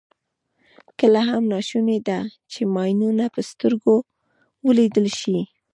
کله هم ناشونې ده چې ماینونه په سترګو ولیدل شي.